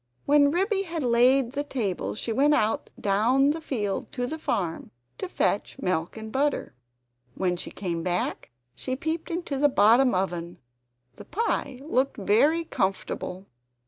When Ribby had laid the table she went out down the field to the farm, to fetch milk and butter. When she came back, she peeped into the bottom oven; the pie looked very comfortable.